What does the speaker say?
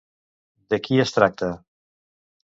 De qui es tracta?